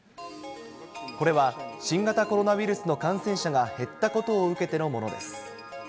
これは新型コロナウイルスの感染者が減ったことを受けてのものです。